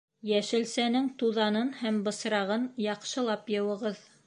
Йәшелсәнең туҙанын һәм бысрағын яҡшылап йыуығыҙ